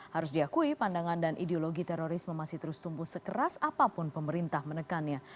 harus diakui pandangan dan ideologi terorisme masih terus tumbuh sekeras apapun pemerintah menekannya